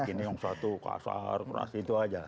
ini yang satu kasar itu aja